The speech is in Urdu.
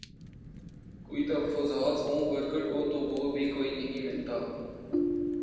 کوئی تحفظات ہوں ورکر کو تو وہ بھی کوئی نہیں ملتا